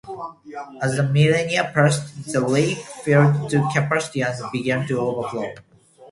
As the millennia passed, the lake filled to capacity and began to overflow.